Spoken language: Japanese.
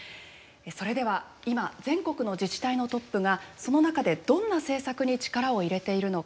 それでは今全国の自治体のトップがその中でどんな政策に力を入れているのか